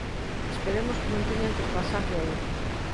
Esperemos que non teñan que pasar de aí.